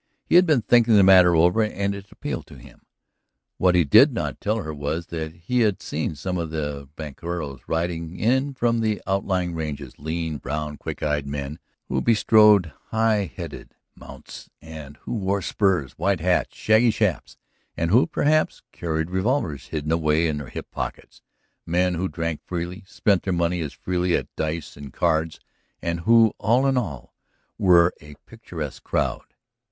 He had been thinking the matter over and it appealed to him. What he did not tell her was that he had seen some of the vaqueros riding in from one of the outlying ranges, lean, brown, quick eyed men who bestrode high headed mounts and who wore spurs, wide hats, shaggy chaps, and who, perhaps, carried revolvers hidden away in their hip pockets, men who drank freely, spent their money as freely at dice and cards, and who, all in all, were a picturesque crowd.